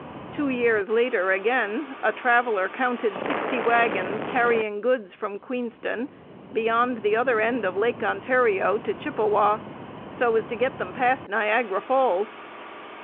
Two years later again a traveller counted sixty wagons carrying goods from Queenston, beyond the other end of Lake Ontario, to Chippawa, so as to get them past Niagara Falls.